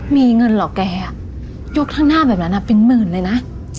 มีเงินหลอกแกยกข้างหน้าแบบนั้นเป็นหมื่นเลยนะ